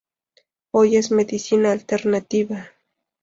Hoy es medicina alternativa.